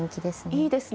いいですね